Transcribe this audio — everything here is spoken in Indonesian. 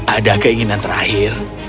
ada keinginan terakhir